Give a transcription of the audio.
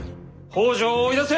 北条を追い出せ！